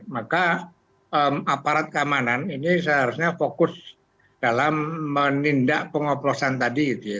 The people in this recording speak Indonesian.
maka aparat keamanan ini seharusnya fokus dalam menindak pengoplosan tadi gitu ya